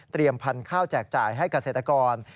พันธุ์ข้าวแจกจ่ายให้เกษตรกร